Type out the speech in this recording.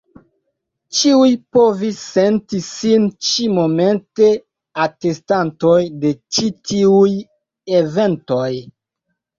Ĉiuj povis senti sin ĉi-momente atestantoj de ĉi tiuj eventoj.